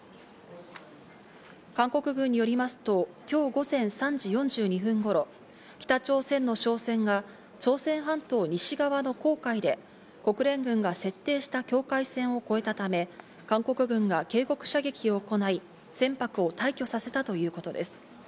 韓国軍によりますと今日午前３時４２分頃、北朝鮮の商船が朝鮮半島西側の黄海で国連軍が設定した境界線を越えたため、韓国軍が警告射撃を行い、船舶を退去させたということです。